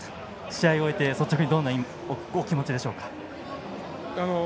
試合を終えてどんなお気持ちでしょうか。